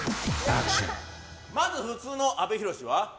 まず普通の阿部寛は。